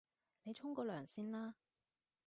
你沖個涼先啦